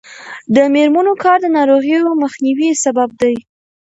د میرمنو کار د ناروغیو مخنیوي سبب دی.